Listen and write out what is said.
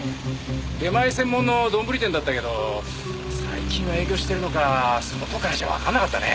出前専門の丼店だったけど最近は営業してるのか外からじゃわからなかったね。